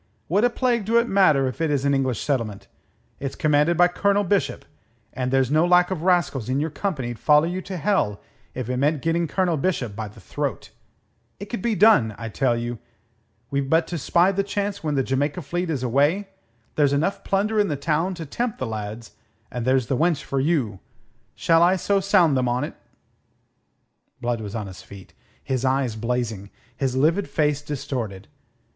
What a plague do it matter if it is an English settlement? It's commanded by Colonel Bishop, and there's no lack of rascals in your company'd follow you to hell if it meant getting Colonel Bishop by the throat. It could be done, I tell you. We've but to spy the chance when the Jamaica fleet is away. There's enough plunder in the town to tempt the lads, and there's the wench for you. Shall I sound them on 't?" Blood was on his feet, his eyes blazing, his livid face distorted.